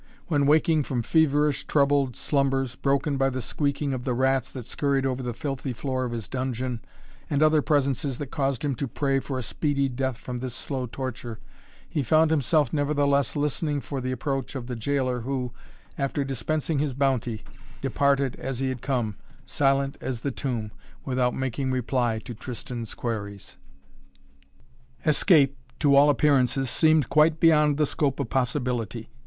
When waking from feverish, troubled slumbers, broken by the squeaking of the rats that scurried over the filthy floor of his dungeon, and other presences that caused him to pray for a speedy death from this slow torture, he found himself nevertheless listening for the approach of the gaoler who, after dispensing his bounty, departed as he had come, silent as the tomb, without making reply to Tristan's queries. Escape, to all appearances, seemed quite beyond the scope of possibility.